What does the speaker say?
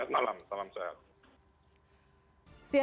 ya salam salam sehat